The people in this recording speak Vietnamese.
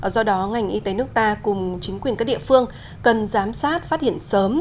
do đó ngành y tế nước ta cùng chính quyền các địa phương cần giám sát phát hiện sớm